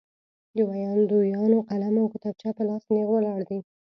ویاندویان قلم او کتابچه په لاس نېغ ولاړ دي.